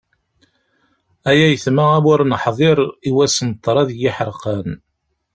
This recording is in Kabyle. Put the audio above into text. Ay ayetma a wi ur neḥdir, i wass n ṭṭrad n yiḥerqan.